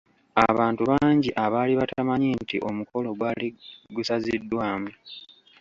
Abantu bangi abaali batamanyi nti omukolo gwali gusaziddwamu.